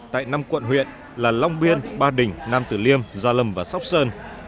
tại năm quận huyện là long biên ba đình nam tử liêm gia lâm và sóc sơn